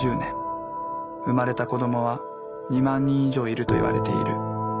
生まれた子どもは２万人以上いるといわれている。